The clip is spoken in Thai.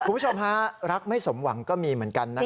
คุณผู้ชมฮะรักไม่สมหวังก็มีเหมือนกันนะครับ